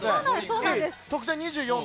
得点、２４。